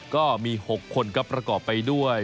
ก็มี๖คนครับประกอบไปด้วย